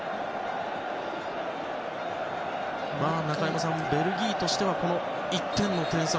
中山さん、ベルギーとしてはこの１点の点差。